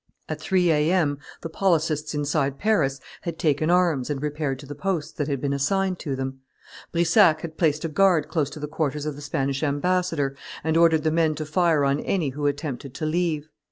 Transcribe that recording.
At three A. M.. the policists inside Paris had taken arms and repaired to the posts that had been assigned to them. Brissac had placed a guard close to the quarters of the Spanish ambassador, and ordered the men to fire on any who attempted to leave.